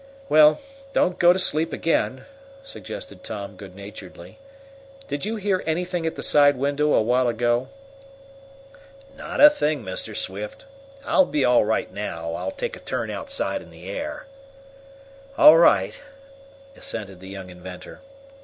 "Well, don't go to sleep again," suggested Tom good naturedly. "Did you hear anything at the side window a while ago?" "Not a thing, Mr. Swift. I'll be all right now. I'll take a turn outside in the air." "All right," assented the young inventor.